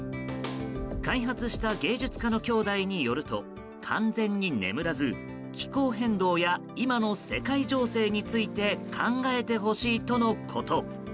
開発した芸術家の兄弟によると完全に眠らず気候変動や今の世界情勢について考えてほしいとのこと。